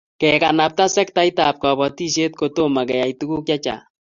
Kekanapta sektaitab kobotisiet kotomokeyai tuguk chechang